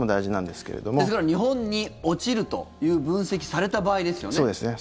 ですから日本に落ちるという分析がされた場合ですね。